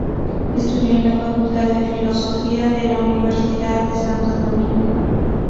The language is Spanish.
Estudió en la facultad de filosofía de la Universidad de Santo Domingo.